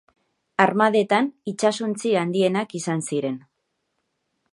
Armadetan itsasontzi handienak izan ziren.